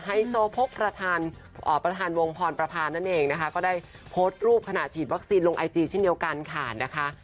ไฮโซพกประธานวงพรประพานั่นเองนะคะก็ได้โพสต์รูปขณะฉีดวัคซีนลงไอจีเช่นเดียวกันค่ะนะคะ